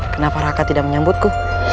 kenapa raka tidak menyambutku